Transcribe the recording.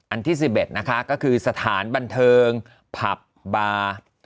อันที่๑๑ก็คือสถานบันเทิงผักบาร์